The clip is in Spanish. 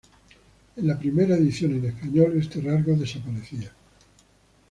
En la primera edición en español este rasgo desaparecía.